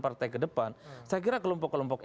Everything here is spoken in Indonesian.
partai ke depan saya kira kelompok kelompok